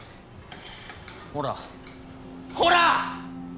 ほらほら！